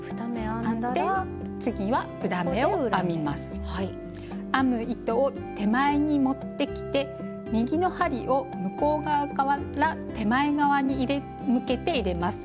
編む糸を手前に持ってきて右の針を向こう側から手前側に向けて入れます。